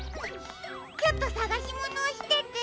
ちょっとさがしものをしてて・。